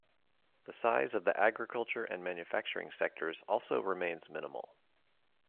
The size of the agriculture and manufacturing sectors also remains minimal.